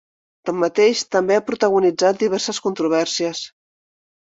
Tanmateix, també ha protagonitzat diverses controvèrsies.